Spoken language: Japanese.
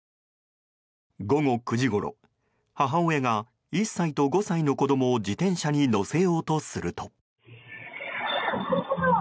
午前９時ごろ母親が１歳と５歳の子供を自転車に乗せようとすると。